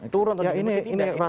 turun atau dikunci